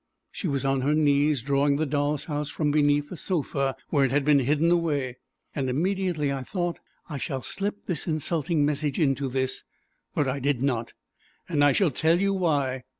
She was on her knees drawing the doll's house from beneath the sofa, where it had been hidden away; and immediately I thought, "I shall slip the insulting message into this." But I did not, and I shall tell you why.